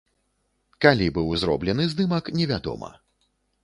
Калі быў зроблены здымак, невядома.